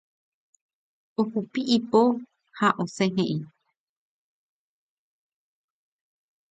Ohupi ipo ha osẽ he'i.